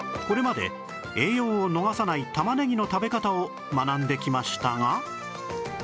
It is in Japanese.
これまで栄養を逃さない玉ねぎの食べ方を学んできましたが